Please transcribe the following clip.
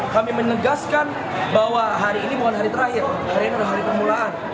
kami menegaskan bahwa hari ini bukan hari terakhir hari ini adalah hari kemulaan